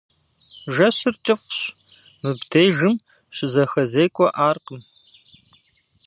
Жэщыр кӏыфӏщ, мыбдежым щызэхэзекӏуэӏаркъым.